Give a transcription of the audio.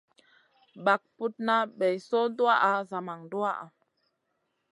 Bag putna bay soy tuwaʼa zaman duwaʼha.